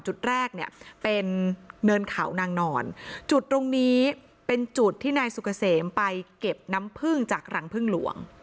จุดแรกเนี่ยเป็นเนินเขานางนอนจุดตรงนี้เป็นจุดที่นายสุกเกษมไปเก็บน้ำพึ่งจากรังพึ่งหลวง